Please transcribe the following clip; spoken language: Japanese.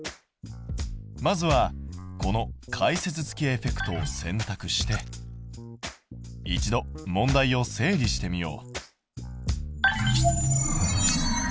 まずはこの解説付きエフェクトを選択して一度問題を整理してみよう。